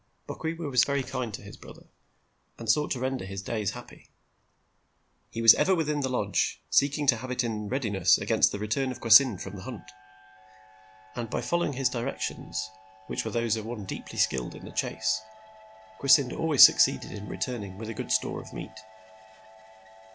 Bokwewa was very kind to his brother and sought to render his days happy. He was ever within the lodge, seeking to have it in readiness against the return of Kwasynd from the hunt. And by following his directions, which were those of one deeply skilled in the chase, Kwasynd always succeeded in returning with a good store of meat.